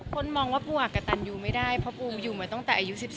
คนมองว่าปูอากะตันอยู่ไม่ได้เพราะปูอยู่มาตั้งแต่อายุ๑๒